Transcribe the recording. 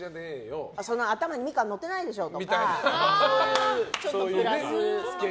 頭にミカンのってないでしょ！とかそういうのをプラスして。